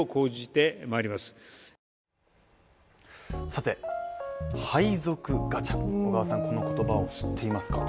さて、配属ガチャ、小川さん、この言葉を知ってますか？